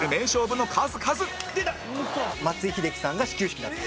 松井秀喜さんが始球式だった。